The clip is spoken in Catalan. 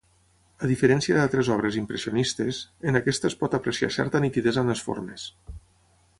A diferència d'altres obres impressionistes, en aquesta es pot apreciar certa nitidesa en les formes.